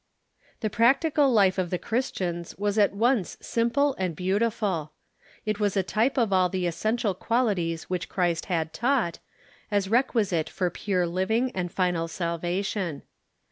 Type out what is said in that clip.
The practical life of the Christians was at once simple and beautiful. It Avas a type of all the essential qualities which Christ had taught, as requisite for pure living Practical Life o »^ i o and final salvation.